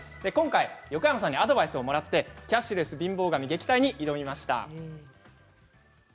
今回、横山さんにアドバイスをもらってキャッシュレス貧乏神撃退に挑みました。